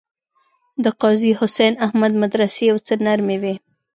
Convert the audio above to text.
د قاضي حسین احمد مدرسې یو څه نرمې وې.